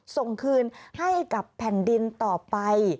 ส่งคืนให้กับแผ่นดินต่อไป